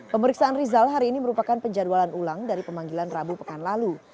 pemeriksaan rizal hari ini merupakan penjadwalan ulang dari pemanggilan rabu pekan lalu